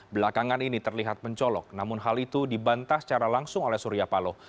belakangan ini terlihat mencolok namun hal itu dibantah secara langsung oleh surya paloh